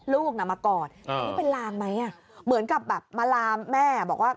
ลูกน่ะมากอดอันนี้เป็นลางไหมอ่ะเหมือนกับแบบมาลามแม่บอกว่า